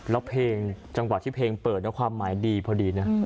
แล้วจังหวะที่เพลงเปิดแล้วความหมายดีพอดี